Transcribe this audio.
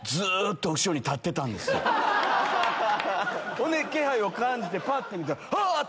ほんで気配を感じてぱって見たら「あっ！」